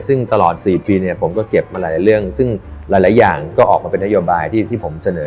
ซึ่งตลอด๔ปีเนี่ยผมก็เก็บมาหลายเรื่องซึ่งหลายอย่างก็ออกมาเป็นนโยบายที่ผมเสนอ